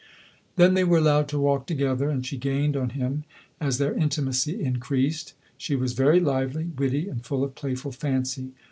Then they were allowed to walk together, and she gained on him, as their intimacy increased. She was very lively, witty, and full of playful fancy.